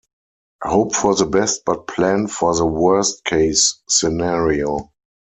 Hope for the best but plan for the worst case scenario